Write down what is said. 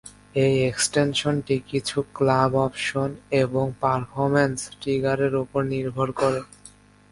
এই এক্সটেনশনটি কিছু ক্লাব অপশন এবং পারফরম্যান্স ট্রিগারের উপর নির্ভর করে।